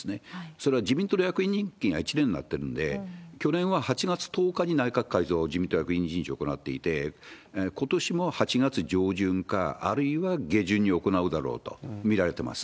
それは、自民党の役員任期が１年となってるんで、去年は８月１０日に内閣改造・自民党役員人事を行っていて、ことしも８月上旬か、あるいは下旬に行うだろうと見られてます。